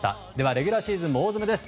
レギュラーシーズンも大詰めです。